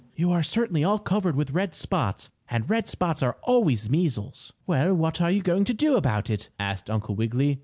"You are certainly all covered with red spots, and red spots are always measles." "Well, what are you going to do about it?" asked Uncle Wiggily.